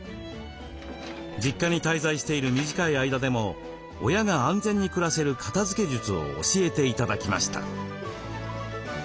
実家に滞在している短い間でも親が安全に暮らせる片づけ術を教えて頂きました。